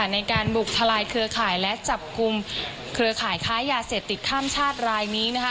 ในการบุกทลายเครือข่ายและจับกลุ่มเครือข่ายค้ายาเสพติดข้ามชาติรายนี้นะคะ